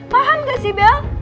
paham gak sih bel